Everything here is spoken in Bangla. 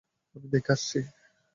আমি দেখে আসছি।